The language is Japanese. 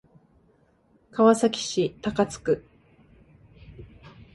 川崎市高津区